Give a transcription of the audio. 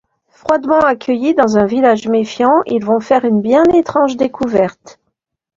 Froidement accueillis dans un village méfiant, ils vont faire une bien étrange découverte...